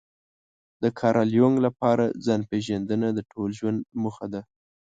د کارل يونګ لپاره ځان پېژندنه د ټول ژوند موخه ده.